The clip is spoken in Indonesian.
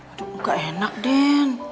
aduh enggak enak den